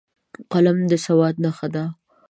قلم د سواد نښه ده